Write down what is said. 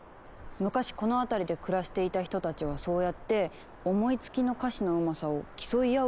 昔この辺りで暮らしていた人たちはそうやって思いつきの歌詞のうまさを競い合うようにして楽しんでいたのかも。